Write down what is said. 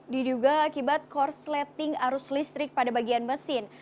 diduga akibat korsleting arus listrik pada bagian mesin